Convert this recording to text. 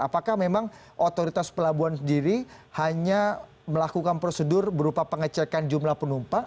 apakah memang otoritas pelabuhan sendiri hanya melakukan prosedur berupa pengecekan jumlah penumpang